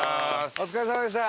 お疲れさまでした！